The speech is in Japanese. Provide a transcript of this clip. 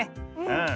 うん！